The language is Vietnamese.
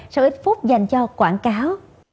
sau ít phút dành cho quảng cáo